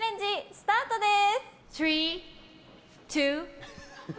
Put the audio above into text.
スタートです！